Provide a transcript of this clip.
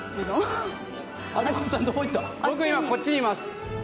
僕、今こっちにいます。